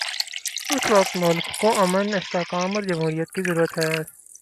اس وقت ملک کو امن، استحکام اور جمہوریت کی ضرورت ہے۔